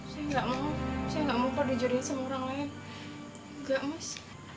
saya nggak mau saya nggak mau terjunya sama orang lain nggak mas